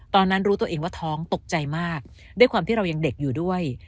ตอนนั้นรู้ตัวเองว่าท้องตกใจมากด้วยความที่เรายังเด็กอยู่ด้วย